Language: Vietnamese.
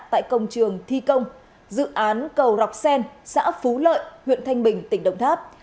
tại công trường thi công dự án cầu lọc sen xã phú lợi huyện thanh bình tỉnh đồng tháp